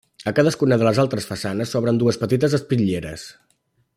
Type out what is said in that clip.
A cadascuna de les altres façanes s'obren dues petites espitlleres.